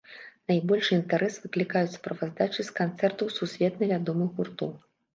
Найбольшы інтарэс выклікаюць справаздачы з канцэртаў сусветна вядомых гуртоў.